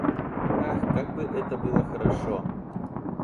Ах, как бы это было хорошо!